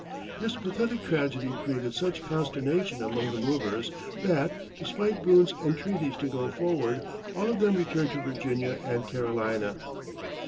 This pathetic tragedy created such consternation among the movers that, despite Boone's entreaties to go forward, all of them returned to Virginia and Carolina.